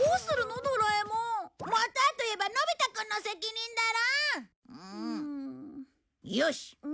元はと言えばのび太くんの責任だろ！ん。よし！